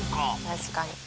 確かに。